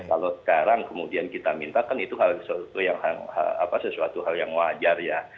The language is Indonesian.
kalau sekarang kemudian kita minta kan itu sesuatu hal yang wajar ya